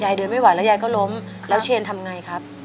เดินไม่ไหวแล้วยายก็ล้มแล้วเชนทำไงครับ